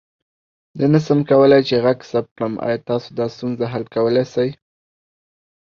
زه نسم کولى چې غږ ثبت کړم، آيا تاسو دا ستونزه حل کولى سې؟